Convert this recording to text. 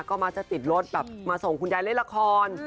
ก็มักจะติดรถแบบมาส่งคุณยายเล่นละคร